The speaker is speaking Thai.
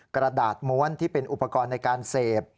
กระดาษม้วนที่เป็นอุปกรณ์ในการเสพ